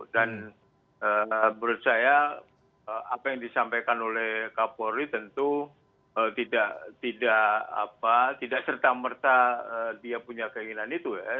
dan menurut saya apa yang disampaikan oleh kapolri tentu tidak serta merta dia punya keinginan itu ya